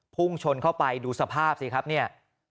พุ่งชนเข้าไปดูสภาพสิครับเนี่ย